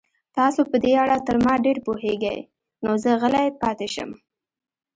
تاسو په دې اړه تر ما ډېر پوهېږئ، نو زه غلی پاتې شم.